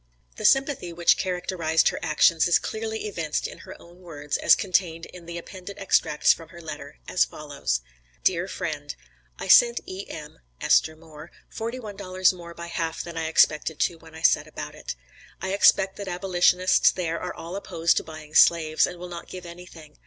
The sympathy which characterized her actions is clearly evinced in her own words, as contained in the appended extracts from her letter, as follows: "DEAR FRIEND: I sent E.M. (Esther Moore) forty one dollars more by half than I expected to when I set about it. I expect that abolitionists there are all opposed to buying slaves, and will not give anything.